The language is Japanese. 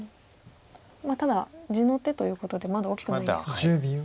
ただ地の手ということでまだ大きくないですか。